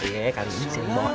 iya kakak ini senang membawa